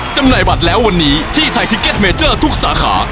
จำหน่ายบัตรแล้ววันนี้ที่ไทยทิเก็ตเมเจอร์ทุกสาขา